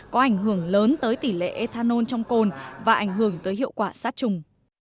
có ảnh hưởng lớn tới tỷ lệ ethanol trong cồn và ảnh hưởng tới hiệu quả sát trùng